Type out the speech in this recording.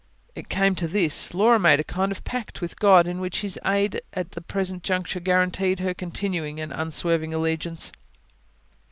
It came to this: Laura made a kind of pact with God, in which His aid at the present juncture guaranteed her continued, unswerving allegiance.